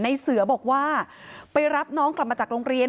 ในเสือบอกว่าไปรับน้องกลับมาจากโรงเรียน